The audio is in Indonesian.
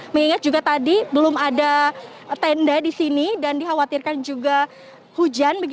mengingat juga tadi belum ada tenda di sini dan dikhawatirkan juga hujan